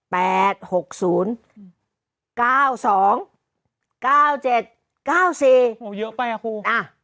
แปดหกศูนย์เก้าสองเก้าเจ็ดเก้าสี่โอ้เยอะไปอะครูอ่ะ